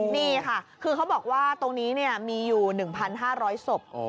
นี่ค่ะคือเขาบอกว่าตรงนี้มีอยู่๑๕๐๐ศพ